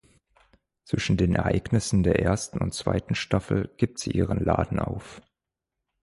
Zwischen den Ereignissen der ersten und zweiten Staffel gibt sie ihren Laden auf.